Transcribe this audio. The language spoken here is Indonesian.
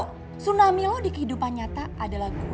tsunami lo di kehidupan nyata adalah guru